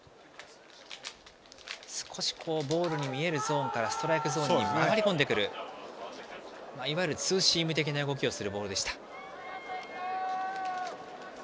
少しボールにみえるゾーンからストライクゾーンに回り込むいわゆるツーシーム的な動きをするボールでした。